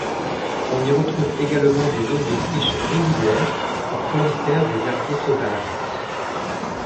On y retrouve également des zones de friche rivulaires où prolifèrent des herbiers sauvages.